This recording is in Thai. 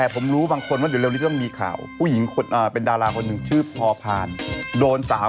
ไปแล้วค่ะเวลาหมดแล้ว